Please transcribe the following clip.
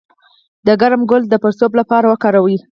د کرم ګل د پړسوب لپاره وکاروئ